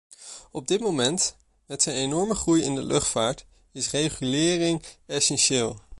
Op dit moment, met zijn enorme groei in de luchtvaart, is regulering essentieel.